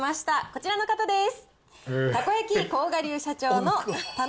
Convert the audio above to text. こちらの方です。